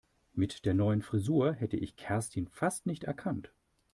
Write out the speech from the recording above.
Mit der neuen Frisur hätte ich Kerstin fast nicht erkannt.